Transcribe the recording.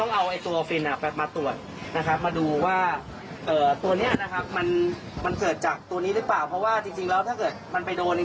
ขณะนี้ต้องมองว่าคณิตนี้ยังจะไปเรียกว่าเข้าเครื่องจับเท็จหรือยัง